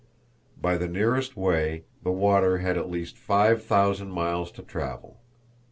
By the nearest way, the water had at least 5,000 miles to travel.